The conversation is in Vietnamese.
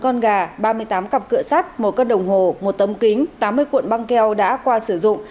một con gà ba mươi tám cặp cửa sắt một cân đồng hồ một tấm kính tám mươi cuộn băng keo đã qua sử dụng